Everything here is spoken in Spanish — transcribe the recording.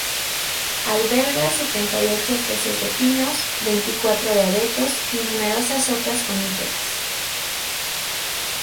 Alberga setenta y ocho especies de pinos, veinticuatro de abetos, y numerosas otras coníferas.